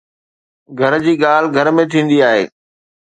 گهر جي ڳالهه گهر ۾ ٿيندي آهي.